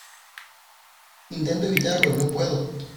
intento evitarlo y no puedo.